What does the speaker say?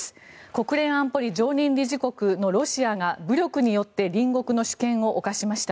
国連安保理常任理事国のロシアが武力によって隣国の主権を侵しました。